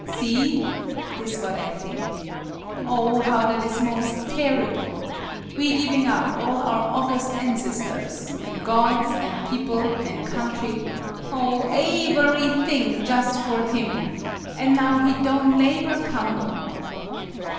See! This what I thing. Oh, how that is mos' tarrible ! We giving up all MADAME BUTTERFLY 19 our august ancestors, an' gods, an' people, an' country, oh, awerything, jus' for him, an' now he don' naever come no more